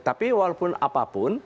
tapi walaupun apapun